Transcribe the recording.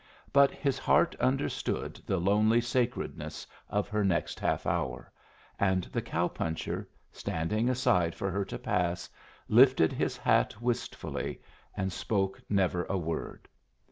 But his heart understood the lonely sacredness of her next half hour, and the cow puncher, standing aside for her to pass, lifted his hat wistfully and spoke never a word.